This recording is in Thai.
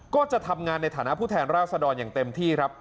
ก็จะทำงานในฐานะผู้แทนราษฎรอย่างเต็มที่ครับ